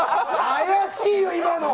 怪しいよ、今の！